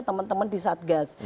teman teman di satgas